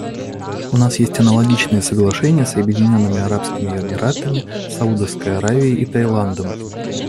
У нас есть аналогичные соглашения с Объединенными Арабскими Эмиратами, Саудовской Аравией и Таиландом.